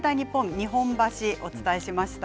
日本橋をお伝えしました。